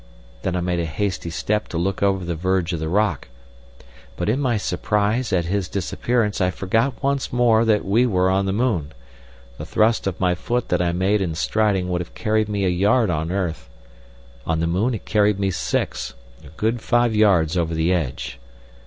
Then I made a hasty step to look over the verge of the rock. But in my surprise at his disappearance I forgot once more that we were on the moon. The thrust of my foot that I made in striding would have carried me a yard on earth; on the moon it carried me six—a good five yards over the edge.